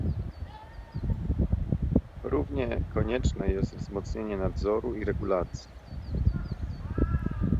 Równie konieczne jest wzmocnienie nadzoru i regulacji